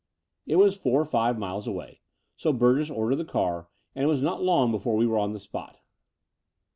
It was four or five miles away; so Burgess ordered the car, and it was not long before we were on the spot.